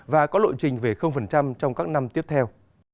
và có lộ trình về trong các năm tiếp theo